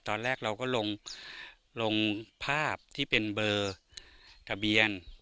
ตอนแรกเราก็ลงภาพที่เป็นเบอร์ทะเบียน